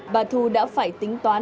bà thu đã phải tìm kiếm thịt lợn